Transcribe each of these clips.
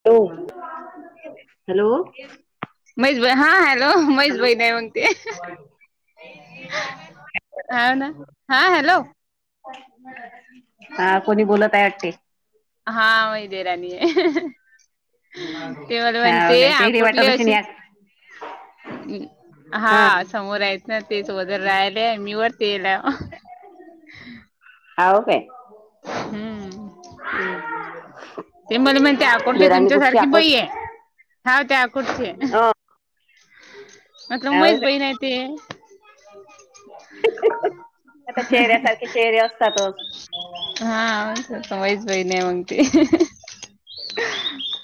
Hello hello. म्हैस बई हा हॅलो म्हैस बई नही म्हनते. हा ना हा हॅलो [inaudible] हा कोणी बोलत आहेत ते. हा मही देेराणी ये. ते माला म्हणतेय काय हा ते वाटत कुठल्या अशी शिव. या हा समोर हाईत ना तेच वदर राहिले मीवर तेला. हाव काय. हूं! ते मला म्हणत्या अकोटले देराणी तुमच्या कुठची सारखी आकोट बई आहे. हा त्या अकोटचे हे. [inaudible] अका हाव मैच काय बहीण आहे ते. आता चेहऱ्यासारखे चेहरे असतातच. हा समईश बई नही म्हनती.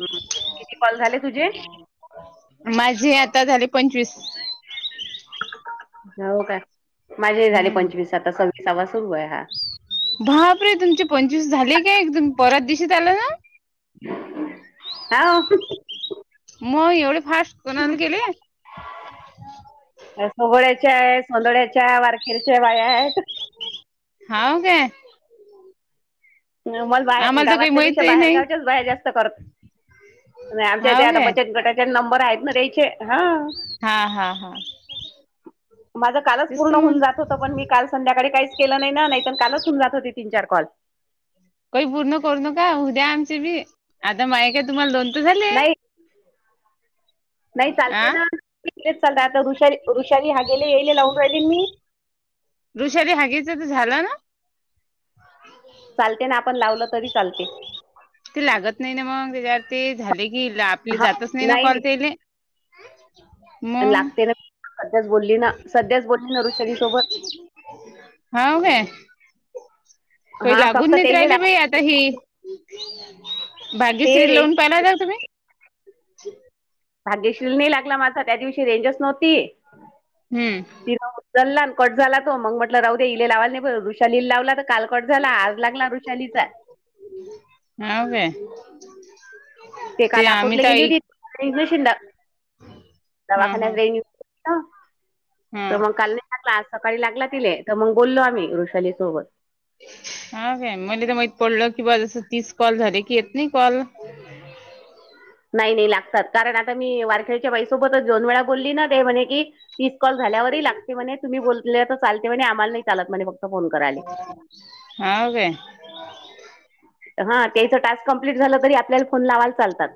हं किती कॉल झाले तुझे? जूस. जावं काय माझे झाले पंचवीस. आता सव्वीसावा सुरू आहे हा. भाप रे तुमचे पंचवीस झाले काय, तुम्ही परत दिशीत आला ना. [inaudible] म एवढे फास्ट कोणाल केले. सोगोळ्याच्या आहे, सोंदोळ्याच्या, वारखेरच्या बाया आहेत. हाव काय. न मल बाहे आम्हाला तर काही गावातल्यापेक्षा माहितही नाही बाहेरगावच्याच बाया जास्त कर नही आमच्या ते हाव आता काय बचत गटाच्या नंबर आहेत ना देयचे हा. हा हा हा. माझं कालच तेच पूर्ण तर होऊन म्हण जात होतं, पण मी काल संध्याकाळी काहीच केलं नही ना, नहीत कालच होऊन जात होती तीन चार कॉल. कही पूर्ण करू नका हूद्या आमची बी आता माय काय तुम्हाला दोन त झाले. नाही नाही चालते आ ना तेच चालत आता रुषाली ऋषाली हागेले येले लावून राहिली न मी. ऋषाली हागेच त झालं ना? चालते ना आपण लावलं तरी चालते. ते लागत नही ना मग त्याच्यावर ते झाले की आपले जातच नाही ना कॉल तेले. आण लागते ना सध्याच बोलली ना सध्याच बोलली न वृषाली सोबत. हाव काय? कई हा लागून फक्त नहीत त्याले राहिले लाग बाई आत आता ही ते भाग्यश्री रेंज लवून पाहिला काय तुम्ही भागेश्रील नाही लागला माझा त्या दिवशी रेंजच नव्हती हम्म ति चल्ला न कट झाला तो मग म्हटलं राह द्या इले लावाला ना नाही ब ऋषालील लावला काल कट झाला आज लागला वृषाली चा हाव काय ते काल आम्ही अकोटला तर गेली ऐक होती रेंज निशिन [unintelligible] हां दवाखान्यात हां [unintelligible] [unintelligible] त हां म काल नाही लागला, आज सकाळी लागला तिले, त मग बोललो आम्ही वृषाली सोबत हा काय मले त माहीत पडल की बा जस तीस कॉल झाले की येत नही कॉल. नाही नाही लागतात, कारण आता मी वारखेडच्या बाईसोबतच दोन वेळा बोलली ना ते म्हणे की? तीस कॉल झाल्यावरही लागते म्हणे, तुम्ही बोलले त चालते म्हणे आम्हाला नही चालत म्हणे फक्त. फोन करायले हा काय? हा त्याचं टास्क कंप्लीट झालं तरी आपल्याला फोन लावायला चालतात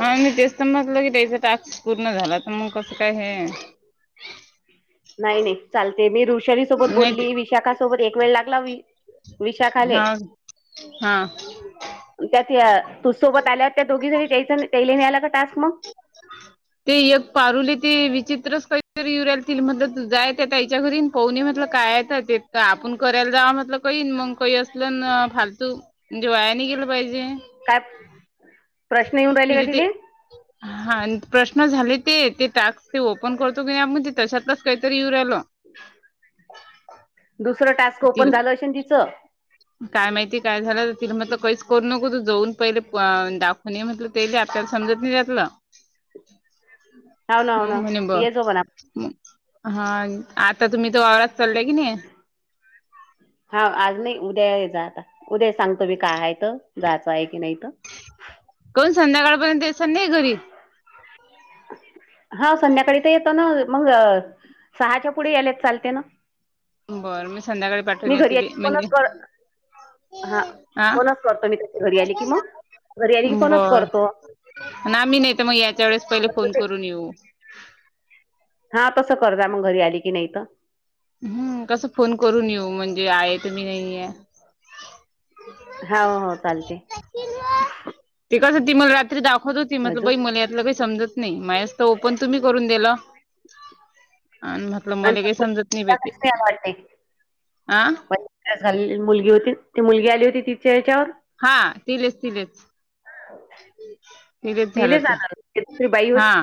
हा मी तेच तर म्हटलं की त्याचा टास्क पूर्ण झाला तर मग कसं काय हे [inaudible] नाही नाही चालते मी वृषाली सोबत नाही ते बोलली विशाखा सोबत एक वेळ लागला विशाखाले हा हा त्यात या तू सोबत आल्यात त्या दोघीसाठी त्या त्यायेले आला का टास्क मग [inaudible] ते एक पारुले ते विचित्रच काहीतरी येऊ रायली तिला म्हणलं तु जाय त्या तईच्या घरी पाहुण ये म्हणलं काय का आपण करायला जाव म्हटलं काही मग काही असलं ना फालतू म्हणजे वायाने गेलं पाहिजे काय प्रश्न येऊन राहिले का तिला ते तिले हा प्रश्न झाले ते ते टास्क ते ओपन करतो की नाही आपण ते तच्यातलंच काहीतरी येऊ राहिल दुसरं टास्क ओपन तिला झालं आशिन तिचं काय माहिती काय झालं तिला म्हटलं काहीच करू नको तू जाऊन पहिले प दाखवून ये म्हटलं ते बीआपल्याला समजत नाही त्यातलं हो ना हो ना ये जोग ना हम् हा आता तुम्ही तर वावरात चाललाय की नाही ह् हा आज नाही उद्या ये जा आता उद्या सांगतो मी काय हायत जायचं आहे की नाही त कोन संध्याकाळपर्यंत येसण नाही घरी हा संध्याकाळी तर येतो ना मग सहाच्या पुढे यालेत चालते ना बर मी संध्याकाळी मी पाठवून ये घरी तिले यायची म्हणजे फोनच कर हा फोनच करतो मी त्या घरी आली की मग घरी आली की फ़ोनच करतो ना मी नाही तर मग याच्या वेळेस पहिले फोन करून येऊ हा तसं कर् जा मग घरी आली की नाही तर हम्म कस फोन करून येऊ म्हणजे आहे तुमी नाही आहे हो हो चालते ते कस ती मला रात्री दाखवत होती म्हटल अजून बई मले मले काही समजत नाही माझसत ओपन तुम्ही करून दिलं आणि म्हटलं मले काही समजत नाही आ बाई ते वाटते आ पहले तिला झालेली मुलगी होती ती मुलगी आली होती तिच्या ह्याच्यावर हा तिलेच तिलेच हो तिलेच झालं लिले ते जाणार तरी बाई होत हा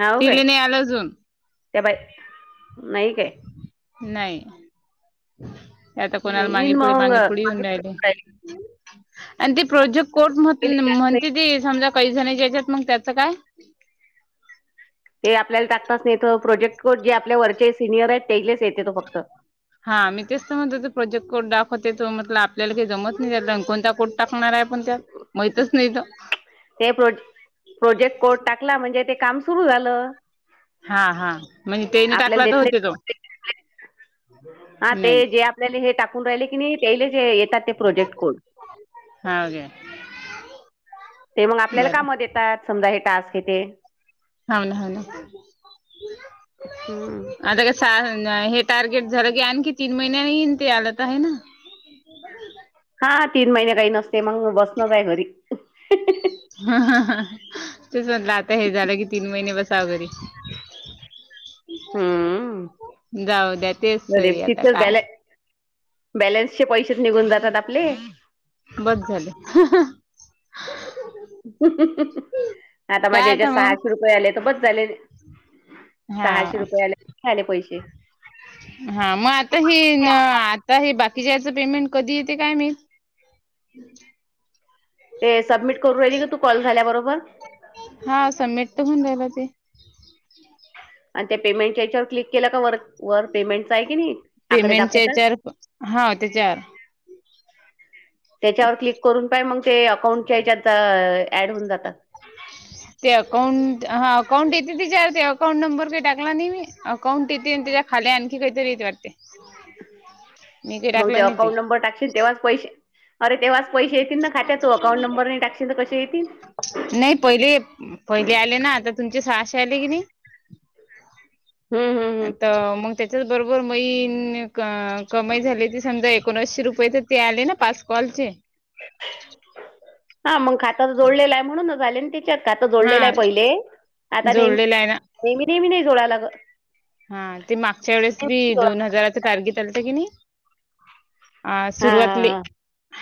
हा हाव काय तिले नाही आलं अजून त्या बाय नाही काय नाही आता कोणाला नाही येईन मांगेपुढे मग मांगेपुुढे मागे येऊन राहिले पडून राहील. आणि ती प्रोजेक्ट कोठ म्ह पहिले टाकत नाही. म्हणती ती समजा काही जण याच्यात मग त्याचं काय ते आपल्याला टाकतच नाहीथ प्रोजेक्ट जे आपल्या वरचे सिनियर आहेत तेलेच येते तो फक्त हा मी तेचत म्हणज तो प्रोजेक्ट कोड दाखवते तो म्हट आपल्याला काही जमत नाही जात आणि कोणता को टाकणार आहे पण त्या माहितच नाही तर ते प्रोजे प्रोजेक्ट कोट टाकला म्हणजे ते काम सुरू झालं हा हा म्हणजे तेने आपल्याला टाकला तर देत होते नाही जो हा ते नाही जे आपल्याला हे टाकून राहिले की नाही त्यायले जे येतात ते प्रोजेक्ट कोण हे ते मग आपल्याला कामात येतात समजा हे टास्क येते होा ना ह हम्म ना अ हे टार्गेट झालं की आणखी तीन महिन्या येन ते आलंत आहे ना हा तीन महिने काही नसते मग बसनंच आहे घरी तेच म्हटलं आता हे झालं की तीन महिने बस सागरी हम्म जाऊ द्या तेच सही आता काय बॅलेन्स चे पैसेच निघून जातात आपले बंद झाले आता काय माझ्या या्याच्यात सहाशे मग रुपये आले तर पच झाले हा सहाशे रुपये आले तर झाले पैसे. हा मग आता हि हे बाकीच्या याच पेमेंट कधी येते काय मी ते सबमिट करून राहिली का तू कॉल झाल्या बरोबर हा समेट तर म्हण रायला ते आणि त्या पेमेंटच्या याच्यावर क्लिक केला का वर वर पेमेंटच आहे कि नाही आकडे पेमेंटच्या दाखवतात याच्यावर प- हा त्याच्यावर त्याच्यावर क्लिक करून पाहि मग ते अकाउंटच्याच्यात ऍड होऊन जातात ते अकाउंट हा अकाउंट येते तिच्यावर ते अकाउंट नंबर काही टाकला नाही मी अकाउंट येते त्या खाले आणखी काहीतरी येत वाटते मी काही मग ते टाकलं नाही अकाउंट नंबर टाकशील तेव्हाच पैसे अरे तेव्हाच खात्या तो अकाउट नंर क येतील नाही पहिले पहिले आले ना आता तुमचे साहाश आले की नाही [unintelligible] हम्म. ता मग त्याच्याच बरोबर मैन कमाई झाली त समजा एक कोोशशी रुपये तर ते आले ना पास कॉलचे हा मग खात तर जोडलेलं आहे म्हणून झाले त्यािच्यात खातं हा जोडलेलं आहे पहिले आता ने जोडलेलं आहे ना नेहमी नेहमी नाही जोडयलाग हा ते मागच्या वेळेस बी दोन हजाराच कारगी चालत की नाही अ हा हा सुरुवातली हा.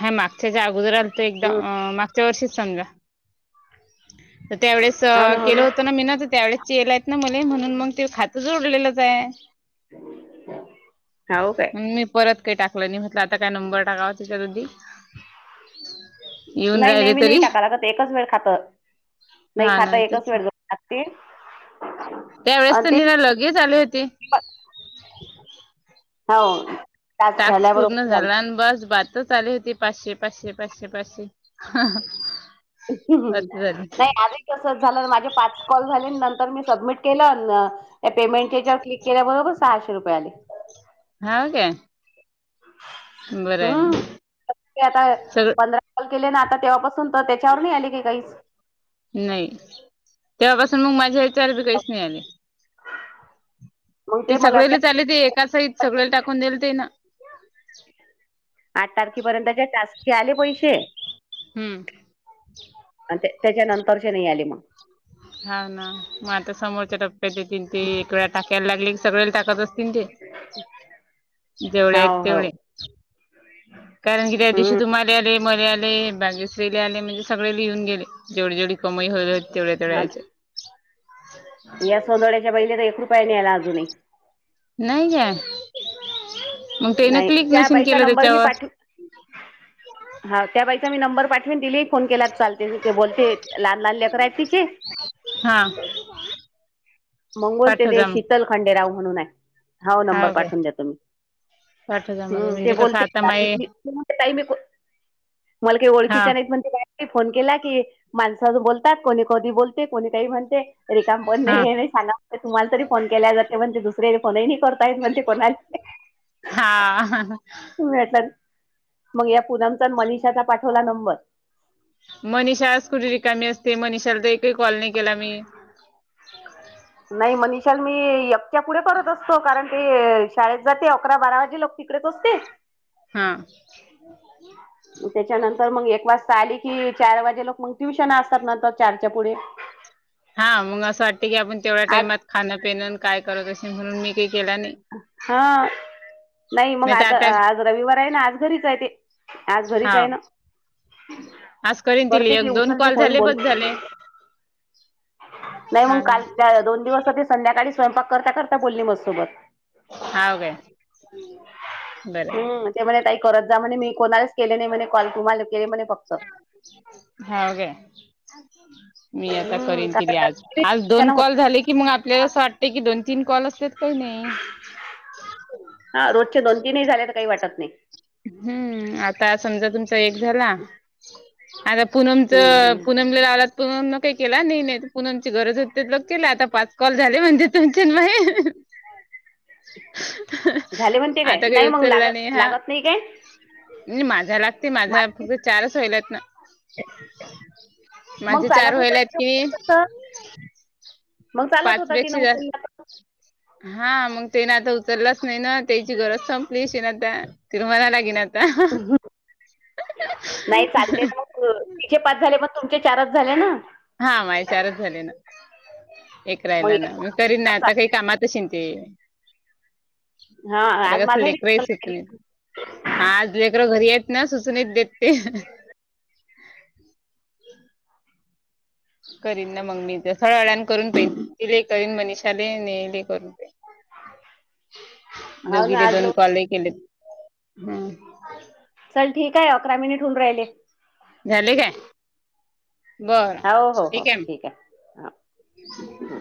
हा मागच्याच्या अगोदर आला तर हम्म. एकदाम माग वर्षी समजा तर त्यावेळेस हाव ना हाव केलं होत ना मी ना तर त्यावेळेस येलायत ना मले म्हणून मग ते खातच उओडलेलंच आहे हाव काय मम परत काही टाकलं नाही म्हटलं आता काय नंबर टाकावा तिच्याती नाही नेहमी नाही टाका लागत एकच वेळ खात नाही हा खात ना एकच तेच वेळ ते त्यावेळेस आणि तर निरा लगेच आली होती हो टास्क पूर्ण झाल्याबरोबर घालते झाला आणि बस ब तर आली होती पाचशे पाचशे पाचशे पाचशे बात झाली नाही आ कस झालं माझे पाच कॉल झाले नंतर मी सबमिट केलं या पेमेंटच्यावर क्लिक केल्या बरोबर सहाशे रुपये आले हा काे हम्म आता सगळं पंधराल केले ना आता तेव्हापासून तर त्याच्यावर नाही आले काी काही नाही तेव्हापासून मग माझ्या वि चार बी काहीच नाही आले मग ते मला वाटतं सगळेला चाले ते एका साहित सगळेला टाकून दल ते ना आठ तारखेपर्यंतच्या टास्कचे आले पैसेे हम्म आणि त्याच्या नंतरचे नाही आले मग हा ना मग आता समोरच्या टप्प्यात तन ते एक वेळा टाकायला लागले की सगळे टाकत असते तचे जेवढे हो आहेत हो तेवढे कारण की्या दिशी हम्म तम आले मर आले बागेशरी आले म्हणजे सगळे लिहून गेले जेवढे जेवी कमाई होत हो ह या सोनवड्याच्या बहिले तर एक रुपया न्यायला अजूनही नाही का मग तेन नाही क्लिक त्या नशीन बाईचा केलं नंबर मी त्याच्यावर पाठव हा त्या बाईचा मी नंबर पाठविन दिली फोन केला चालते ते बोलते लहान लहान लेकररा आहेत तिचे हा मंगोल ते पाठव तेे जा मग शीतल खांडेराव म्हणून आहे हा नंबर हाव काय पाठवून द्या तुम्ही पाठव जा मला हम् ते म्हणजे कसं बोलते आता कार माय काही मी मला काही हा ओळखीच्या नाही म्हण ते का फोन केला की माणस बोलतात कोणी कधी बोलते कोणी काही म्हणते रिकाम पण हा नाही आहे तुम्हाला तरी फोन केल्या जातेण ते दुसऱ्याला फोनही नही करत डायरेक्ट म्हणते कणाल हा ते मग या पुणमचा मनिषाचा पाठवला नंबर मनीषाच कुठे रिकामी असते मनषाला तर एकही कॉल नाही केला मी नाही मनिशाल मी एककच्या पुढे करत असतो कारण ते शाळेत जाते अकरा बारा वाजे लोक तिकडेच असते हा ग त्याच्यानंतर मग एक वाजता आली कि चार वाजे लोक मग ट्युशन असतात नंतर चारच्या पुढे हा मग असं वाटत की आपण तेवढ्या आज टाइमात खाणं पिन काय करत असे म्हणून मी काही केला नाही हा नाही मग आता आज रविवार आहे ना आज घरीच आहे ते आज हा घरीच आहे ना आज करीन तिली करते ती एक दोन उचलते कॉल फोन झाले पस बोलते झाले नाही मग हा ना काल दोन दिवस संध्याकाळी स्वयंपाक करता करता बोलली मजसोबत हा काय बरं हम्म ते म्हणे काही करत जा म्हणे मी कोणालाच केले नाही म्हणे कॉल तुम्हाला केले म्हणे फक्त हाव का्या मी आता हम्म करीन तीले आज आज आज कारण दोन होत, कॉल झाले की मग आपल्याला असं वाटत की दोन तीन कॉल असतत काही नाही हा रोजच्या दोन तीनही झाल्या तर काही वाटत नाही हम्म आता समजा तु एक झाला आता पुनम हं हं. पुन [unintelligible] पूनमने काही केला नाही नाहीतर पूनमची गरज होते लग केला आता पाच कॉल झाले म्हणजे तुमच्या [unintelligible] [inaudible] झाले [unintelligible] म्हणते काय? आता काही नाही मग उचलला लागत नाही हा. लागत नाही काय? नाही माझा लागते, माझा मागचे- फगत चारच होईल आहेत ना माझे मग चार चालत होईल होता आहेत तिनं की मग चालत पाच होता पेक्षा तिनं उच जास्त लला हा मग तिनं आता उचललाच नाही ना त्याची गरज संपली [unintelligible] नाही चालते ना मग तिचे पाच झाले मग तुमचे चारच झाले ना हा माचारच झाले ना एक मग राहिला एक ना मी करीन ना आता काही कामात चि हा आता आज कस माझाही लेकर दिवस आहे चालला. सुट्टी हा आज लेकर घरी आहेत ना, सुचू नहि देत ते. करीन ना मग मी सरळ अण करून पैले करीन मनिषाले नेले करून हो ना दोघीले आज दोन लो कॉललै केलेत हम् चल ठीक आहे अकरा मिनिट होऊन राहिले झाले काय? बरं हो हो हो ठीक आहे हा. म हं.